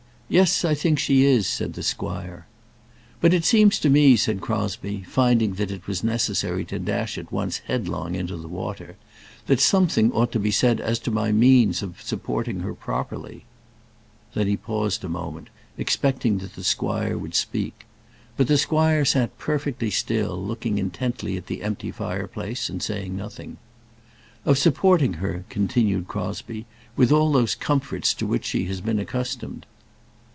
"Yes; I think she is," said the squire. "But it seems to me," said Crosbie, finding that it was necessary to dash at once headlong into the water, "that something ought to be said as to my means of supporting her properly." Then he paused for a moment, expecting that the squire would speak. But the squire sat perfectly still, looking intently at the empty fireplace and saying nothing. "Of supporting her," continued Crosbie, "with all those comforts to which she has been accustomed."